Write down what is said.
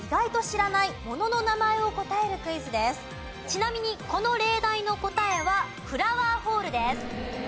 ちなみにこの例題の答えはフラワーホールです。